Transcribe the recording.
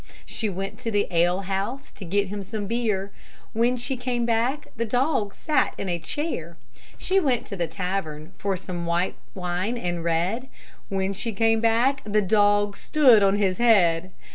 She went to the alehouse To get him some beer; When she came back The dog sat in a chair. She went to the tavern For white wine and red; When she came back The dog stood on his head.